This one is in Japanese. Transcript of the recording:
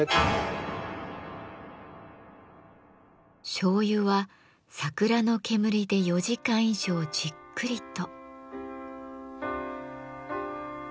しょうゆはサクラの煙で４時間以上じっくりと。